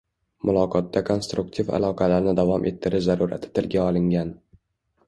Muloqotda konstruktiv aloqalarni davom ettirish zarurati tilga olingan.